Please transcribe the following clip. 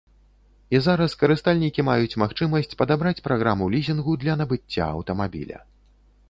І зараз карыстальнікі маюць магчымасць падабраць праграму лізінгу для набыцця аўтамабіля.